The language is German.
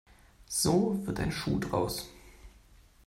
So wird ein Schuh daraus.